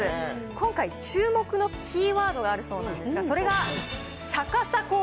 今回、注目のキーワードがあるそうなんですが、何それ？